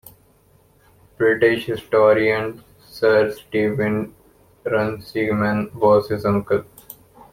British historian Sir Steven Runciman was his uncle.